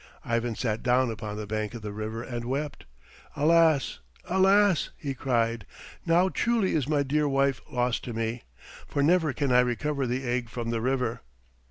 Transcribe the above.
Ivan sat down upon the bank of the river and wept. "Alas, alas!" he cried. "Now truly is my dear wife lost to me, for never can I recover the egg from the river."